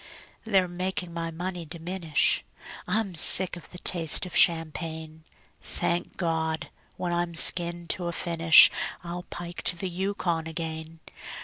They're making my money diminish; I'm sick of the taste of champagne. Thank God! when I'm skinned to a finish I'll pike to the Yukon again.